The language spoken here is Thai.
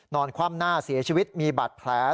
นอนความหน้าเสียชีวิตมีบาดแผล